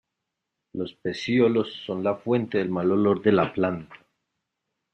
Los pecíolos son la fuente del mal olor de la planta.